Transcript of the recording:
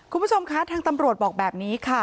คุณผู้ชมคะทางตำรวจบอกแบบนี้ค่ะ